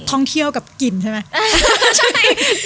ท่องเที่ยวกับกินใช่ไหม